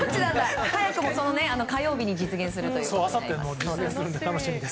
早くも火曜日に実現するということで。